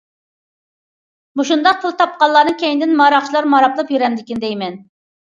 مۇشۇنداق پۇل تاپقانلارنىڭ كەينىدىن ماراقچىلار ماراپلا يۈرەمدىكىن دەيمەن.